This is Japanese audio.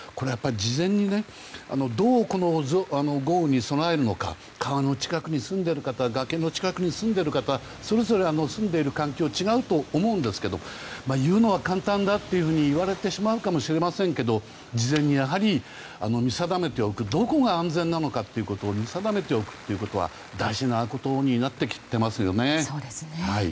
事前に、どうこの豪雨に備えるか川の近くに住んでいる方崖の近くに住んでいる方それぞれ住んでいる環境は違うと思うんですが言うのは簡単だと言われてしまうかもしれませんけどやはり、どこが安全なのかを事前に見定めておくことは大事なことになってきていますよね。